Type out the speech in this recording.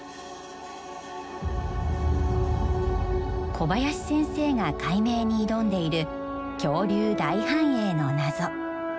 小林先生が解明に挑んでいる恐竜大繁栄の謎。